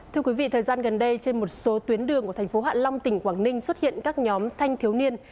thưa quý vị thời gian gần đây trên một số tuyến đường của thành phố hạ long tỉnh quảng ninh xuất hiện các nhóm thanh thiếu niên